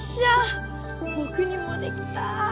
ぼくにもできた。